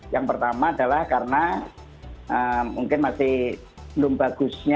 yang pertama adalah karena mungkin masih belum bagusnya